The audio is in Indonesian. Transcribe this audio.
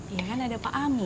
iya kan ada pak amri